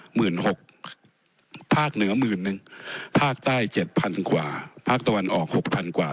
หมื่นหกภาคเหนือหมื่นนึงภาคใต้เจ็ดพันกว่าภาคตะวันออกหกพันกว่า